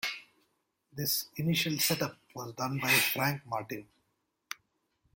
This initial set up was done by Franck Martin.